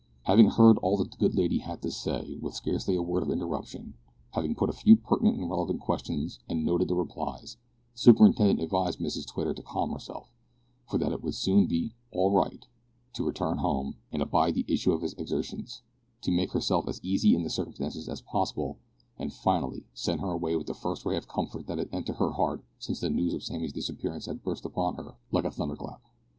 Having heard all that the good lady had to say, with scarcely a word of interruption; having put a few pertinent and relevant questions and noted the replies, the superintendent advised Mrs Twitter to calm herself, for that it would soon be "all right;" to return home, and abide the issue of his exertions; to make herself as easy in the circumstances as possible, and, finally, sent her away with the first ray of comfort that had entered her heart since the news of Sammy's disappearance had burst upon her like a thunderclap.